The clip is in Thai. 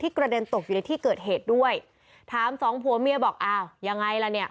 กระเด็นตกอยู่ในที่เกิดเหตุด้วยถามสองผัวเมียบอกอ้าวยังไงล่ะเนี่ย